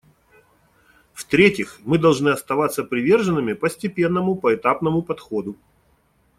В-третьих, мы должны оставаться приверженными постепенному, поэтапному подходу.